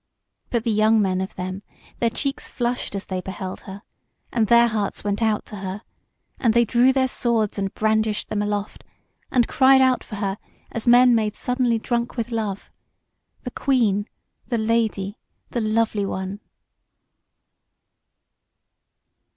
But the young men of them, their cheeks flushed as they beheld her, and their hearts went out to her, and they drew their swords and brandished them aloft, and cried out for her as men made suddenly drunk with love: "The Queen, the Lady, the lovely one!"